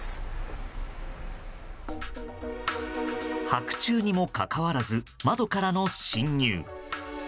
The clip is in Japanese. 白昼にもかかわらず窓からの侵入。